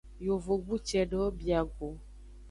Yovogbu cedewo bia go.